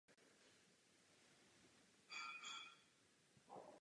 Zpráva zohledňuje také vědecký výzkum v oblasti veterinární vědy.